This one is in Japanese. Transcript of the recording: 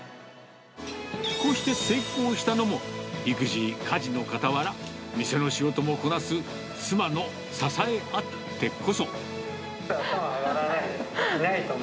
こうして成功したのも、育児、家事のかたわら、店の仕事もこなす、頭上がらないです。